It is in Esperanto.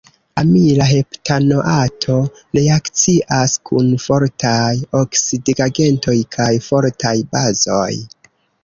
Amila heptanoato reakcias kun fortaj oksidigagentoj kaj fortaj bazoj.